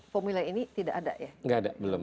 formula ini tidak ada ya